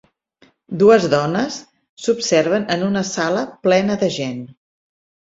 Dues dones s'observen en una sala plena de gent.